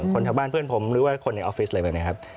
คนแถวบ้านเพื่อนผมหรือว่าคนในออฟฟิศเลยนะครับ